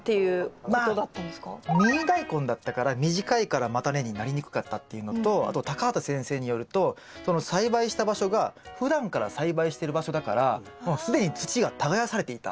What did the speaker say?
ミニダイコンだったから短いから叉根になりにくかったっていうのとあと畑先生によるとその栽培した場所がふだんから栽培してる場所だからもう既に土が耕されていた。